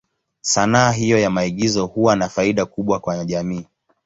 Sanaa hiyo ya maigizo huwa na faida kubwa kwa jamii.